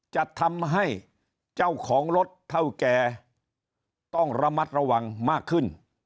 จะทำให้เจ้าของรถเท่าแก่ต้องระมัดระวังมากขึ้น